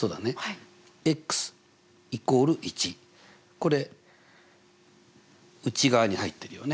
これ内側に入ってるよね。